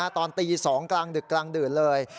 ตอนตี๒กลางดึกกลางดื่นเลย